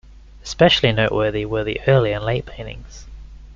Especially noteworthy were the early and late paintings.